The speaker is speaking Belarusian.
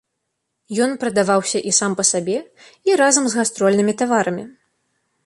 Ён прадаваўся і сам па сабе, і разам з гастрольнымі таварамі.